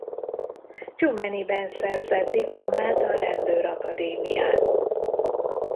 Tyumenyben szerzett diplomát a rendőr-akadémián.